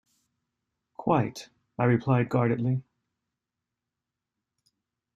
"Quite," I replied guardedly.